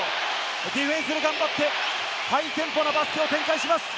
ディフェンスが頑張って、ハイテンポなバスケを展開します。